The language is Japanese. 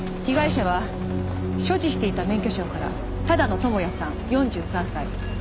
被害者は所持していた免許証から多田野智也さん４３歳。